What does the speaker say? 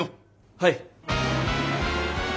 はい。